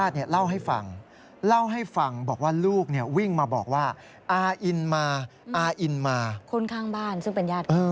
ขนนี่ลุกนานมากเข้าไปในบ้านก็ยังเป็นอยู่